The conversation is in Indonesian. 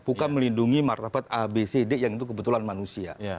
bukan melindungi martabat abcd yang itu kebetulan manusia